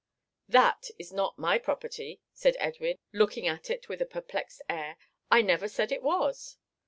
"That is not my property," said Edwin, looking at it with a perplexed air, "I never said it was."